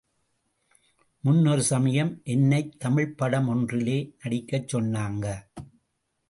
முன் ஒரு சமயம் என்னைத் தமிழ்ப் படம் ஒன்றிலே நடிக்கச் சொன்னாங்க.